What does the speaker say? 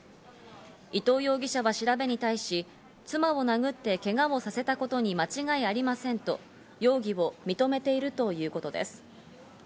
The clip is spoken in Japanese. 伊藤容疑者は調べに対し、妻を殴ってけがをさせたことに間違いありませんと、容疑を認めているということです。